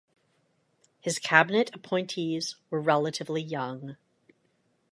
His cabinet appointees were relatively young.